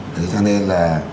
thế cho nên là